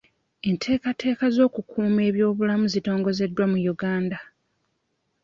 Enteekateeka z'okukuuma ebyobulamu zitongozeddwa mu Uganda.